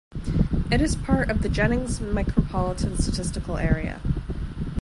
It is part of the Jennings Micropolitan Statistical Area.